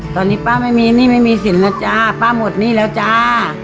ตอนนี้ป้าไม่มีหนี้ไม่มีสินแล้วจ้าป้าหมดหนี้แล้วจ้า